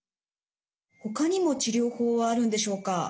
ほかにも治療法はあるんでしょうか。